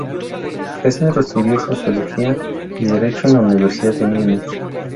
Gessner estudió Sociología y Derecho en la Universidad de Múnich.